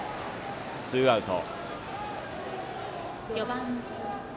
ツーアウト。